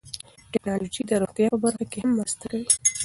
ټکنالوژي د روغتیا په برخه کې هم مرسته کوي.